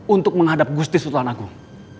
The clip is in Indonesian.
untuk menghadap gusti sultan agung